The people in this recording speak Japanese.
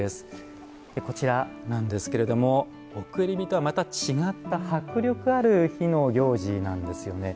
こちらなんですけれども送り火とはまた違った迫力ある火の行事なんですよね。